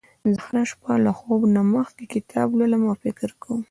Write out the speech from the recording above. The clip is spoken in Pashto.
زه هره شپه له خوب نه مخکې کتاب لولم او فکر کوم